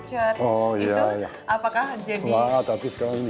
biasanya tergantung dari customer